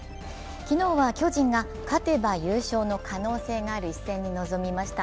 昨日は巨人が勝てば優勝の可能性がある一戦に臨みました。